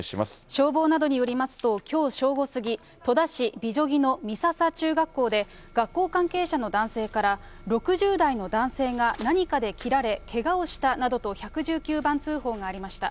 消防などによりますと、きょう正午過ぎ、戸田市美女木の美笹中学校で、学校関係者の男性から６０代の男性が何かで切られ、けがをしたなどと１１９番通報がありました。